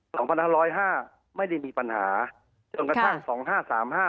สองพันห้าร้อยห้าไม่ได้มีปัญหาจนกระทั่งสองห้าสามห้า